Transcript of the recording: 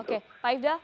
oke pak ilda